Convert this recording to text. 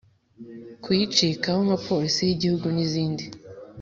kuyicikaho nka porisi y'igihugu n'izindi.